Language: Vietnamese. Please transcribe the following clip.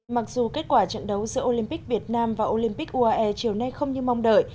mặc dù kết quả trận đấu giữa olympic việt nam và olympic uae chiều nay không như mong đợi